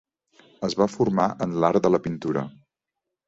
Es va formar en l'art de la pintura.